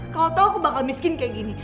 kalo tau aku bakal miskin kayak gini